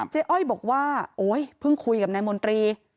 เจ๊อ้อยบอกว่าเพิ่งคุยกับนายมนตรี